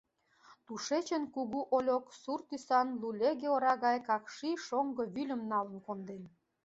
Тушечын Кугу Ольок сур тӱсан лулеге ора гай какши шоҥго вӱльым налын конден.